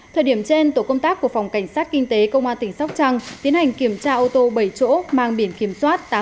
thời điểm trên tổ công tác của phòng cảnh sát kinh tế công an tỉnh sóc trăng tiến hành kiểm tra ô tô bảy chỗ mang biển kiểm soát tám mươi bốn a hai nghìn một trăm bảy mươi một